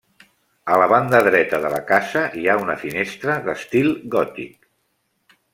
A la banda dreta de la casa hi ha una finestra d'estil gòtic.